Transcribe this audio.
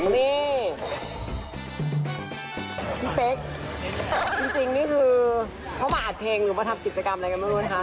นี่พี่เป๊กจริงนี่คือเขามาอัดเพลงหรือมาทำกิจกรรมอะไรกันไม่รู้นะคะ